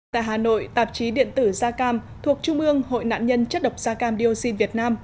tại hà nội tạp chí điện tử da cam thuộc trung ương hội nạn nhân chất độc da cam dioxin việt nam